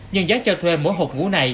nhưng giá cho thuê mỗi hộp ngủ này